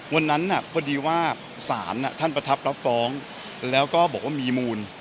วันนั้นพอดีว่าศาลท่านประทับรับฟ้องแล้วก็บอกว่ามีมูล